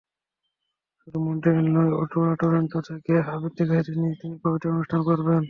শুধু মন্ট্রিয়েল নয়, অটোয়া-টরন্টো থেকে আবৃত্তিকারদের নিয়ে তিনি কবিতার অনুষ্ঠান করবেন।